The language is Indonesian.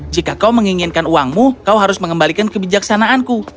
jika kau menginginkan uangmu kau harus mengembalikan kebijaksanaanku